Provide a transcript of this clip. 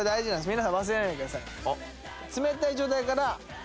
皆さん忘れないでください。